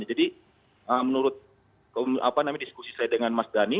jadi menurut diskusi saya dengan mas dhani